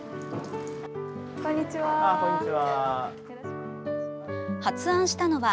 こんにちは。